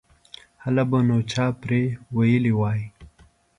هله به نو چا ویلي وای.